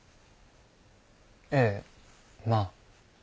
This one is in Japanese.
ええまあ。